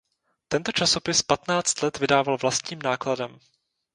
Tento časopis patnáct let vydával vlastním nákladem.